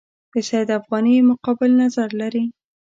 د سید افغاني مقابل نظر لري.